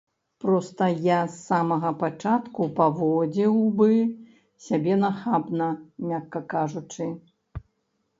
Проста я з самага пачатку паводзіў бы сябе нахабна, мякка кажучы.